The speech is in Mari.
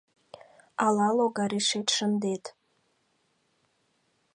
Ала логарешет шындет.